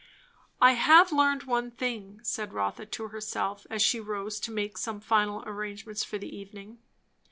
I have learned one thing, said Rotha to herself, as she rose to make some final arrangements for the evening.